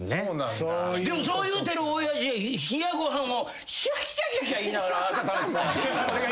でもそう言うてる親父は冷やご飯を「ヒャッヒャヒャヒャ」言いながら温めてたんやで。